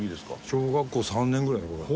小学校３年ぐらいの頃かな。